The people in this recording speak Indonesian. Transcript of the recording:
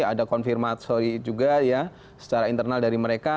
ada konfirmasi juga ya secara internal dari mereka